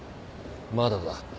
まだだ。